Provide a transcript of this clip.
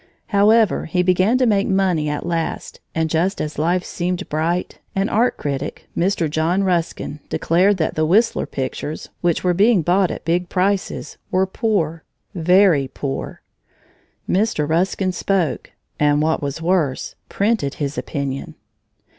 However, he began to make money at last, and just as life seemed bright, an art critic, Mr. John Ruskin, declared that the Whistler pictures, which were being bought at big prices, were poor very poor! Mr. Ruskin spoke, and what was worse, printed his opinion.